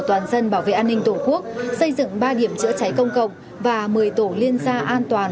toàn dân bảo vệ an ninh tổ quốc xây dựng ba điểm chữa cháy công cộng và một mươi tổ liên gia an toàn